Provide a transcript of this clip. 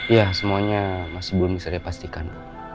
ya semuanya masih belum disediapastikan